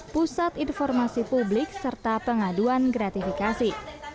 pusat informasi publik serta pengaduan gratifikasi